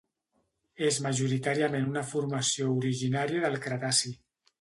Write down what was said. És majoritàriament una formació originària del cretaci.